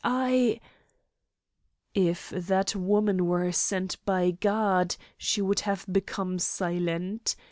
I " If that woman were sent by God, she would have become silent.